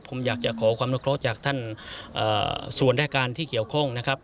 ผมอยากจะขอความนุเคราะห์จากท่านส่วนรายการที่เกี่ยวข้องนะครับ